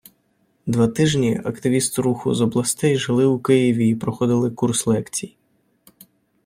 Два тижні активісти Руху з областей жили у Києві і проходили курс лекцій.